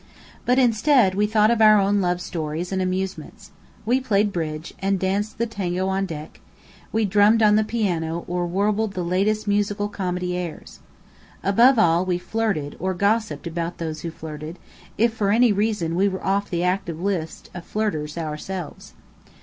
But instead we thought of our own love stories and amusements. We played bridge, and danced the Tango on deck; we drummed on the piano, or warbled the latest musical comedy airs. Above all, we flirted, or gossiped about those who flirted, if for any reason we were off the active list of flirters ourselves.